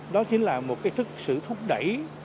đó chính là một cái sự thúc đẩy